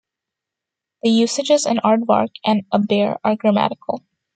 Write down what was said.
The usages "an aardvark" and "a bear" are grammatical.